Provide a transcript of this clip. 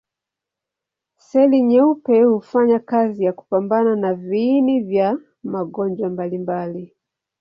Seli nyeupe hufanya kazi ya kupambana na viini vya magonjwa mbalimbali.